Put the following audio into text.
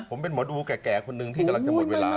ผมเป็นหมอดูแก่คนหนึ่งที่กำลังจะหมดเวลา